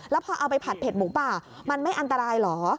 แล้วพอเอาไปผัดเด็ดหมูป่ามันไม่อันตรายเหรอ